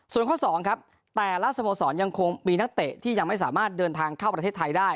ส่วนข้อ๒ครับแต่ละสโมสรยังคงมีนักเตะที่ยังไม่สามารถเดินทางเข้าประเทศไทยได้